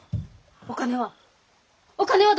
お金は？